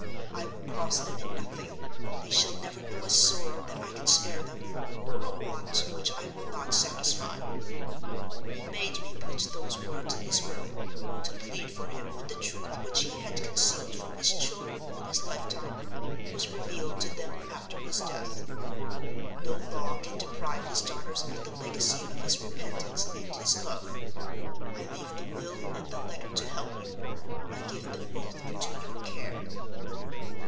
I will cross them in nothing: they shall never know a sorrow that I can spare them, or a want which I will not satisfy.' He made me put those words in his will, to plead for him when the truth which he had concealed from his children in his lifetime was revealed to them after his death. No law can deprive his daughters of the legacy of his repentance and his love. I leave the will and the letter to help you: I give them both into your care."